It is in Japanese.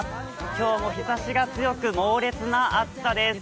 今日も日ざしが強く猛烈な暑さです。